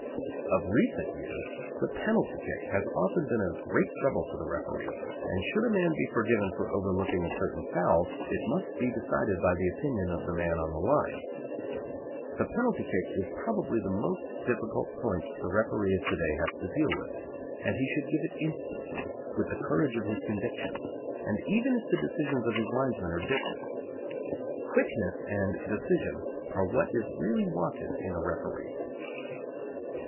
Of recent years the penalty kick has often been a great trouble to the referee, and should a man be forgiven for overlooking a certain foul it must be decided by the opinion of the man on the line. The penalty kick is probably the most difficult point the referee of to day has to deal with, and he should give it instantly with the courage of his convictions, and even if the decisions of his linesmen are different. Quickness and decision are what is really wanted in a referee.